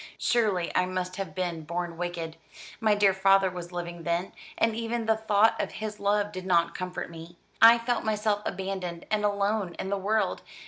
"Surely I must have been born wicked. My dear father was living then; and even the thought of his love did not comfort me. I felt myself abandoned and alone in the world.